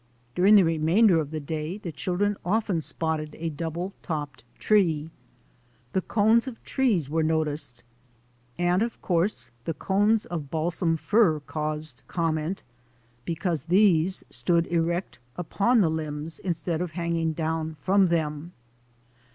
During the remain der of the day the children often spotted a double topped tree. The cones of trees were noticed, and of course the cones of the balsam fir caused com ment because these stood erect upon the limbs in stead of hanging down from them.